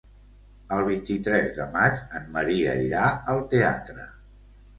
El vint-i-tres de maig en Maria irà al teatre.